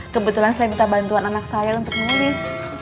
kebetulan saya minta bantuan anak saya untuk menulis